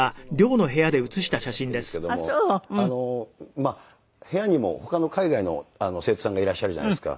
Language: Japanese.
まあ部屋にも他の海外の生徒さんがいらっしゃるじゃないですか。